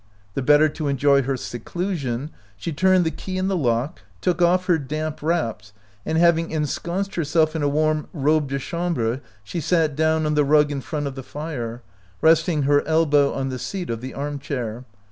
The better to enjoy her seclusion, she turned the key in the lock, took off her damp wraps, and, hav ing ensconced herself in a warm robe de chambre, she sat down on the rug in front of the fire, resting her elbow on the seat of the arm chair.